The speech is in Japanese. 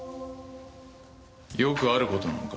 よくある事なのか？